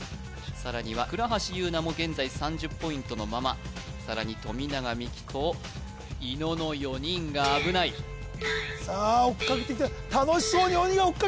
さらには倉橋優菜も現在３０ポイントのままさらに富永美樹と伊野の４人が危ないさあ追っかけてきた・怖い怖っ